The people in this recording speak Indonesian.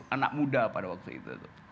anak muda pada waktu itu